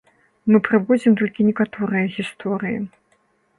Мы прыводзім толькі некаторыя гісторыі.